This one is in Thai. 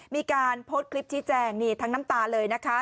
มีการโพสต์คลิปชี้แจงนี่ทั้งน้ำตาเลยนะคะ